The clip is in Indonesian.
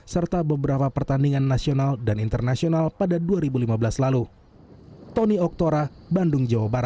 serta beberapa pertandingan nasional dan internasional pada dua ribu lima belas lalu